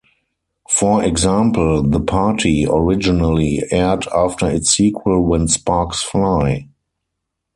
For example, "The Party" originally aired after its sequel "When Sparks Fly".